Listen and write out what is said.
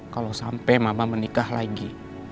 kalau sampai mama menikah lagi